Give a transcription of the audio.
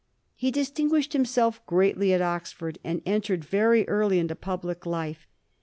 He distinguished himself greatly at Oxford, and entered very early into public life.